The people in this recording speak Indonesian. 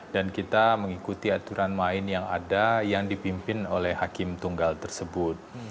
dan kita mengikuti aturan main yang ada yang dipimpin oleh hakim tunggal tersebut